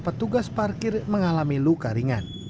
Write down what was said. petugas parkir mengalami luka ringan